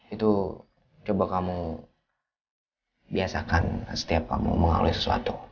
itu coba kamu biasakan setiap kamu mengalami sesuatu